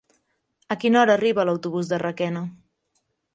A quina hora arriba l'autobús de Requena?